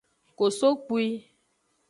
Kosokpwi.